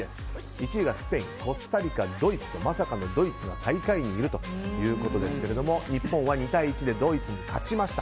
１位がスペインコスタリカ、ドイツとドイツがまさかの最下位にいるということですが日本は２対１でドイツに勝ちました。